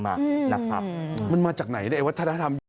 มันมาจากไหนวัฒนธรรม